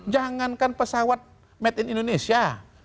jangankan pesawat made in indonesia